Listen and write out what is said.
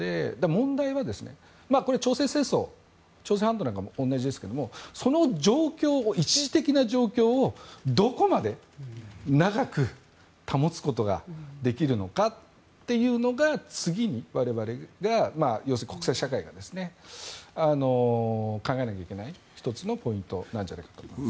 問題は、これは朝鮮戦争朝鮮半島なんかでも同じですがその一時的な状況をどこまで長く保つことができるのかっていうのが次に我々が要するに国際社会が考えなきゃいけない１つのポイントだと思います。